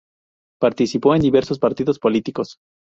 Participó en diversos partidos políticos.